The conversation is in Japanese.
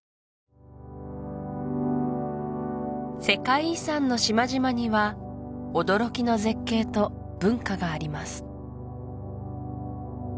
世界遺産の島々には驚きの絶景と文化があります